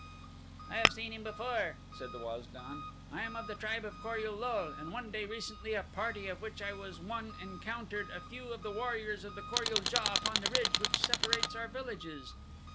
"I have seen him before," said the Waz don. "I am of the tribe of Kor ul lul, and one day recently a party of which I was one encountered a few of the warriors of the Kor ul JA upon the ridge which separates our villages.